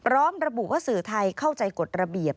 พร้อมระบุว่าสื่อไทยเข้าใจกฎระเบียบ